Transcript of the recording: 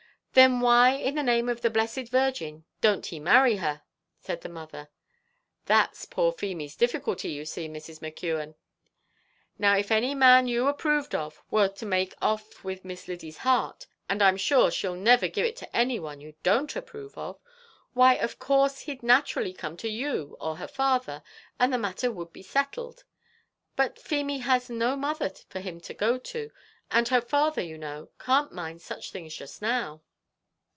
"Then, why, in the name of the blessed Virgin, don't he marry her?" said the mother. "That's poor Feemy's difficulty, you see, Mrs. McKeon. Now if any man you approved of were to make off with Miss Lyddy's heart and I'm sure she'll never give it to any one you don't approve of why of course he'd naturally come to you or her father, and the matter would be settled; but Feemy has no mother for him to go to, and her father, you know, can't mind such things now."